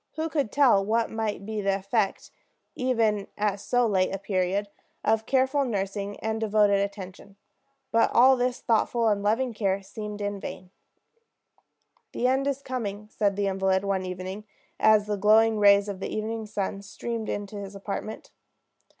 Who could tell what might be the effect, even at so late a period, of careful nursing and devoted attention? But all his thoughtful and loving care seemed in vain. "The end is coming," said the invalid one evening, as the glowing rays of the evening sun streamed into his apartment.